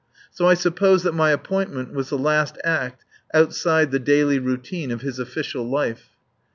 So I suppose that my appointment was the last act, outside the daily routine, of his official life.